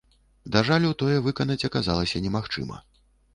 Да жалю, тое выканаць аказалася немагчыма.